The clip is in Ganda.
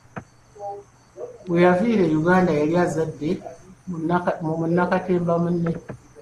Weyaviira e Uganda yali azadde mu munnakatemba munne.